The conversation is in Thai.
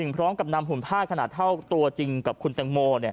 พร้อมกับนำหุ่นผ้าขนาดเท่าตัวจริงกับคุณแตงโม